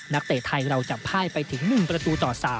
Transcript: เตะไทยเราจับพ่ายไปถึง๑ประตูต่อ๓